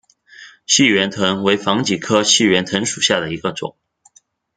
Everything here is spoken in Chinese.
细圆藤为防己科细圆藤属下的一个种。